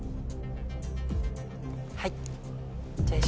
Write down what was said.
はい。